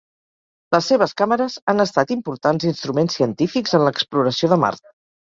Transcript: Les seves càmeres han estat importants instruments científics en l'exploració de Mart.